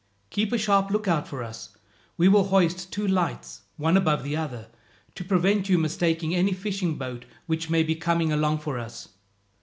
"Keep a sharp lookout for us, we will hoist two lights, one above the other, to prevent your mistaking any fishing boat which may be coming along for us.